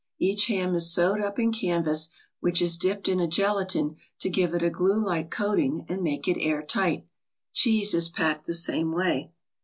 Each ham is sewed up in canvas, which is dipped in a gelatine to give it a gluelike coating and make it airtight. Cheese is packed the same way.